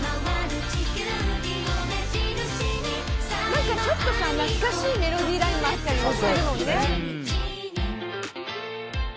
「何かちょっとさ懐かしいメロディーラインもあったりもするもんね」